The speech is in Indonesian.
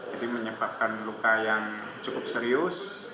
ini menyebabkan luka yang cukup serius